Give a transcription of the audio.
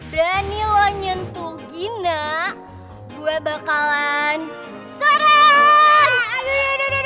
berani lo nyentuh gina gue bakalan serang